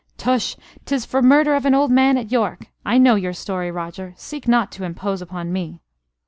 "Tush! 'tis for murder of an old man at York! I know your story, Roger; seek not to impose upon me."